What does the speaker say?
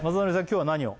今日は何を？